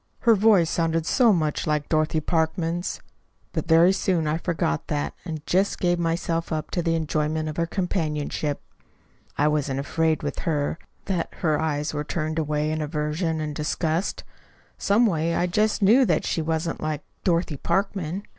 Her voice sounded so much like Dorothy Parkman's. But very soon I forgot that, and just gave myself up to the enjoyment of her companionship. I wasn't afraid with her that her eyes were turned away in aversion and disgust. Some way, I just knew that she wasn't like Dorothy Parkman.